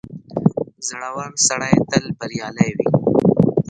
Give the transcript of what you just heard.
• زړور سړی تل بریالی وي.